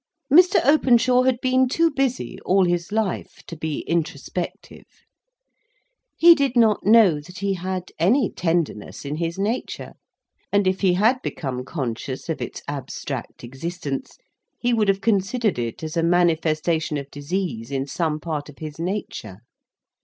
Mr. Openshaw had been too busy, all his life, to be introspective. He did not know that he had any tenderness in his nature; and if he had become conscious of its abstract existence, he would have considered it as a manifestation of disease in some part of his nature.